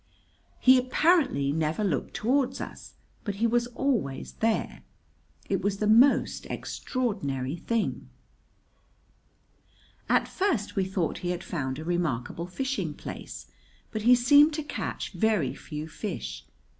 He apparently never looked toward us, but he was always there. It was the most extraordinary thing. At first we thought he had found a remarkable fishing place; but he seemed to catch very few fish.